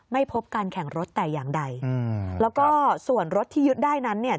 ไม่พบการแข่งรถแต่อย่างใดอืมแล้วก็ส่วนรถที่ยึดได้นั้นเนี่ย